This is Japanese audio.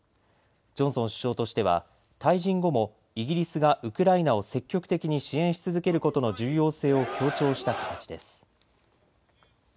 ジョンソン首相としては退陣後もイギリスがウクライナを積極的に支援し続けることの重要性を強調した形です。